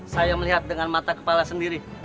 saya melihat dengan mata kepala sendiri